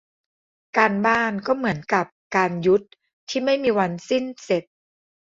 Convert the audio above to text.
การบ้าน ก็เหมือนกับ การยุทธ์ ที่ไม่มีวันสิ้นเสร็จ